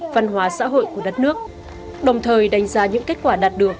văn hóa xã hội của đất nước đồng thời đánh giá những kết quả đạt được